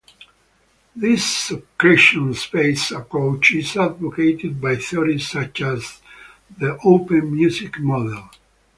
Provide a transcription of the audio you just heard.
This subscription-based approach is advocated by theories such as the Open Music Model.